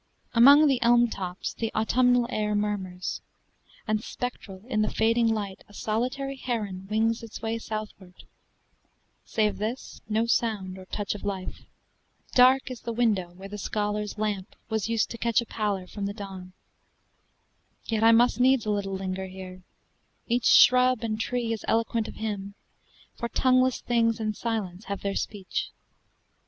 Among the elm tops the autumnal air Murmurs, and spectral in the fading light A solitary heron wings its way Southward save this no sound or touch of life. Dark is the window where the scholar's lamp Was used to catch a pallor from the dawn. Yet I must needs a little linger here. Each shrub and tree is eloquent of him, For tongueless things and silence have their speech.